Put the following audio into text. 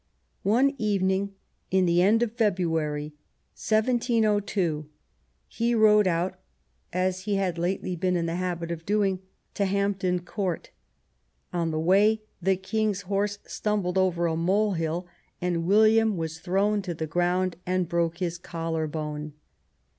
One evening in the end of February, 1702, he rode out, as he had lately been in the habit of doing, to Hampton Court. On the way the King's horse stumbled over a molehill, and William was thrown to the ground and 9 THE REIGN OP QUEEN ANNE broke his collar bone.